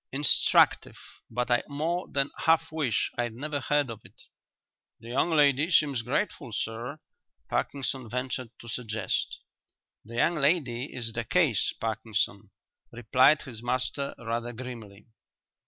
"Instructive, but I more than half wish I'd never heard of it." "The young lady seems grateful, sir," Parkinson ventured to suggest. "The young lady is the case, Parkinson," replied his master rather grimly.